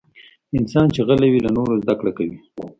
انسان چې غلی وي، له نورو زدکړه کوي.